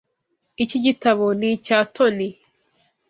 Iki gitabo ni icya Tony.